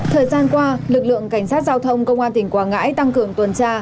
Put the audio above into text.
thời gian qua lực lượng cảnh sát giao thông công an tỉnh quảng ngãi tăng cường tuần tra